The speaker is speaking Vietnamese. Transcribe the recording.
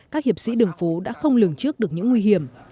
các hiệp sĩ đường phố đã không lường trước được những nguy hiểm